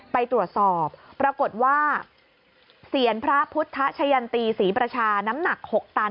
ไปตรวจสอบปรากฏว่าเซียนพระพุทธชะยันตีศรีประชาน้ำหนัก๖ตัน